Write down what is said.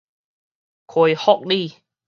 溪福里